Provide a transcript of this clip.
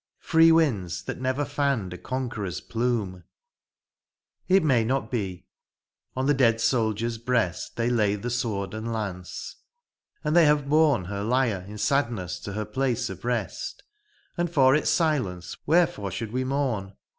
Free winds that never fanned a conqueror's plume ! It may not be— on the dead soldier's breast They lay the sword and lance, and they have borne Her lyre in sadness to her place of rest, And for its silence wherefore should we mourn